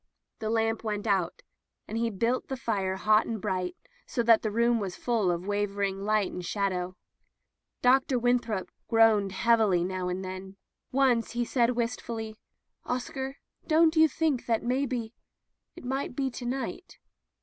The lamp went out, and he built the fire hot and bright, so that the room was full of wavering light and shadow. Dr. Winthrop groaned heavily now and then. Once he said wistfully: "Oscar, don't you think that maybe — ^it might be to night